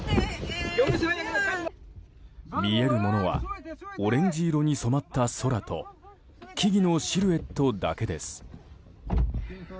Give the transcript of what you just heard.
見えるものはオレンジ色に染まった空と木々のシルエットだけです。